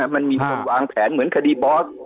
มันมีคนวางแผนเหมือนคดีบอส